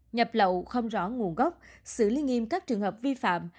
nhập lậu không rõ nguồn gốc xử lý nghiêm các trường hợp vi phạm